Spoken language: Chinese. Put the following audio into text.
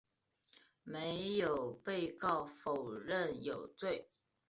没有被告否认有罪。